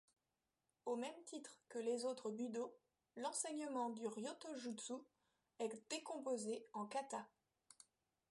Au même titre que les autres budo, l'enseignement du ryotojutsu est décomposé en kata.